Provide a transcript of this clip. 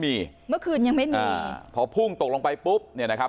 แต่เมื่อคืนยังไม่มีเพราะพ่วงตกลงไปปุ๊บ